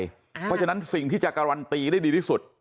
เพราะฉะนั้นสิ่งที่จะการันตีได้ดีที่สุด